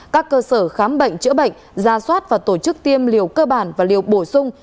các cơ sở khám bệnh chữa bệnh ra soát và tổ chức tiêm liều cơ bản và liều bổ sung